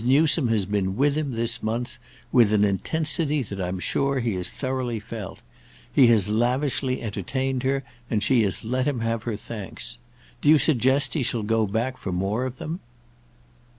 Newsome has been with him, this month, with an intensity that I'm sure he has thoroughly felt; he has lavishly entertained her, and she has let him have her thanks. Do you suggest he shall go back for more of them?"